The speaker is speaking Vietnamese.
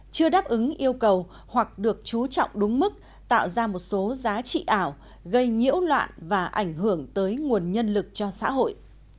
chưa đáp ứng yêu cầu hoặc được chú trọng đúng mức tạo ra một số giá trị ảo gây nhiễu loạn và ảnh hưởng tới nguồn nhân lực cho xã hội